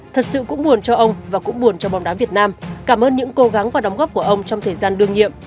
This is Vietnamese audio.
thật sự cũng buồn cho ông và cũng buồn cho bóng đá việt nam cảm ơn những cố gắng và đóng góp của ông trong thời gian đương nhiệm